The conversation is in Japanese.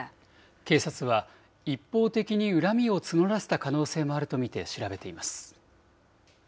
警察は一方的に恨みを募らせた可能性もあると見て調べています。